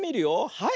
はい！